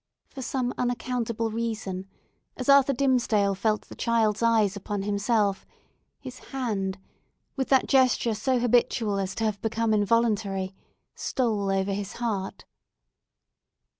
For some unaccountable reason, as Arthur Dimmesdale felt the child's eyes upon himself, his hand—with that gesture so habitual as to have become involuntary—stole over his heart.